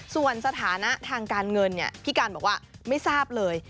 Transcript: ส่วนสถานะทางการเงินพี่การบอกว่าไม่ทราบเลย